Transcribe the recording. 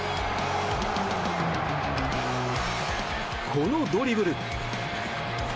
このドリブル。